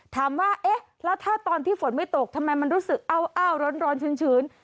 ถามว่าเอ๊ะแล้วถ้าตอนที่ฝนไม่ตกทำไมมันรู้สึกอ้าวร้อนชื้น